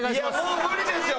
もう無理でしょ？